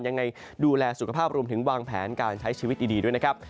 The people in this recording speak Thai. ยังไงดูแลสุขภาพรวมถึงวางแผนการใช้ชีวิตดีด้วยนะครับ